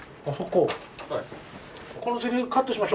あっそこ。